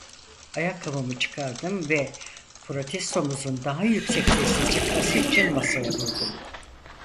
Ayakkabımı çıkardım ve protestomuzun daha yüksek sesle çıkması için masaya vurdum.